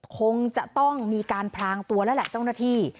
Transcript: คงจะต้องมีการพลางตัวแล้วแหละเจ้าหน้าที่